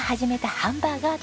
ハンバーガー。